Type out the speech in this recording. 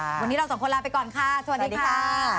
วันนี้เราสองคนลาไปก่อนค่ะสวัสดีค่ะ